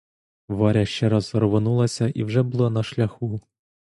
Варя ще раз рвонулася і вже була на шляху.